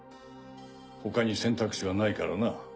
他に選択肢はないからな。